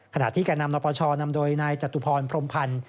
ขณะที่แก่นำนปชนำโดยนายจตุพรพรมพันธ์